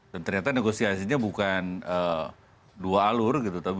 dan ternyata negosiasinya bukan dua alur gitu